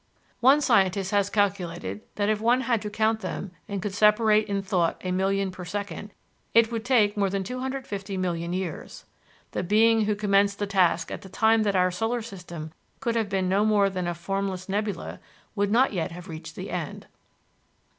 One scientist has calculated that if one had to count them and could separate in thought a million per second, it would take more than 250,000,000 years: the being who commenced the task at the time that our solar system could have been no more than a formless nebula, would not yet have reached the end."